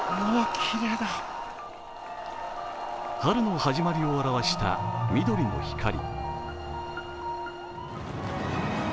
春の始まりを表した緑の光。